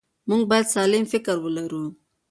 موږ باید سالم فکر ولرو.